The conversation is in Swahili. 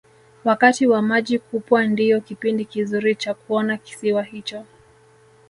wakati wa maji kupwa ndiyo kipindi kizuri cha kuona kisiwa hicho